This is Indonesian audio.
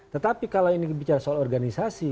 tetapi kalau ini bicara soal organisasi